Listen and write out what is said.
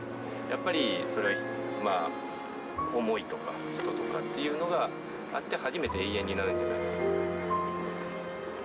やっぱりそれまあ思いとか人とかっていうのがあって初めて永遠になるんじゃないのかなと思ってます。